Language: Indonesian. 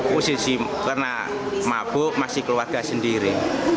posisi karena mabuk masih keluarga sendiri